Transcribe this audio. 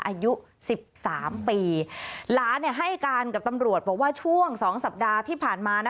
อายุสิบสามปีหลานเนี่ยให้การกับตำรวจบอกว่าช่วงสองสัปดาห์ที่ผ่านมานะ